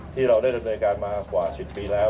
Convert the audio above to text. ที่เราได้ดำเนินการมากว่า๑๐ปีแล้ว